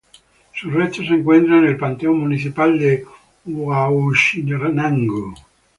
Sus restos se encuentran en el Panteón Municipal de Huauchinango.